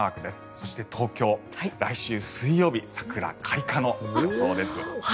そして、東京来週水曜日、桜開花の予想です。